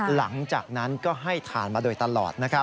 หลังจากนั้นก็ให้ทานมาโดยตลอด